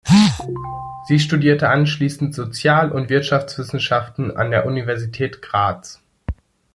Sie studierte anschließend Sozial- und Wirtschaftswissenschaften an der Universität Graz.